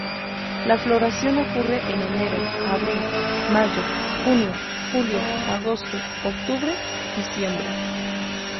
La floración ocurre en enero, abril, mayo, junio, julio, agosto, octubre, diciembre.